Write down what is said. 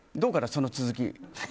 その続き。